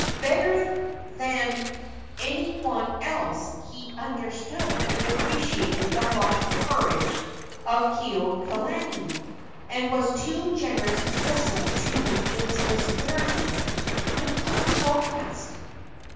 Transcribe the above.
Better than any one else he understood and appreciated the lofty courage of Kekuaokalani, and was too generous to listen to its disparagement without protest.